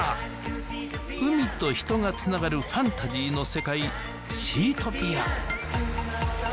海と人がつながるファンタジーの世界「シートピア」